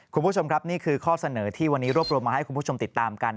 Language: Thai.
คุณผู้ชมครับนี่คือข้อเสนอที่วันนี้รวบรวมมาให้คุณผู้ชมติดตามกัน